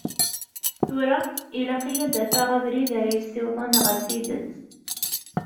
Tura, ilaq-iyi a d-afeɣ abrid ara yi-ssiwḍen ɣer tidet.